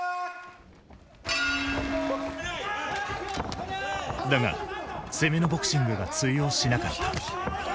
だが攻めのボクシングが通用しなかった。